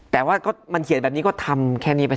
แต่ว่าก็มันเขียนแบบนี้ก็ทำแค่นี้ไป